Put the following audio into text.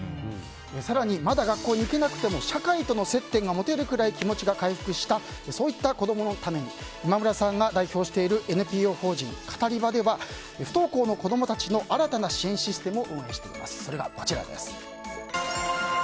更にまだ学校に行けなくても社会との接点が持てるくらい気持ちが回復したそういった子供のために今村さんが代表しているＮＰＯ法人カタリバでは「パーフェクトスティック」は。